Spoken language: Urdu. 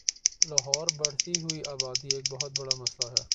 لاہور بڑھتی ہوئی آبادی ایک بہت بڑا مسلہ ہے